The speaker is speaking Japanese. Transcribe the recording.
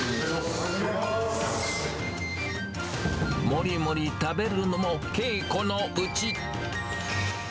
もりもり食べるのも稽古のうち。